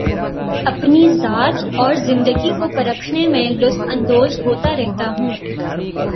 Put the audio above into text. اپنی ذات اور زندگی کو پرکھنے میں لطف اندوز ہوتا رہتا ہوں